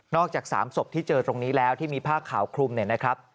นอกจาก๓สบที่เจอตรงนี้แล้วที่มีภาคข่าวคลุมนะครับ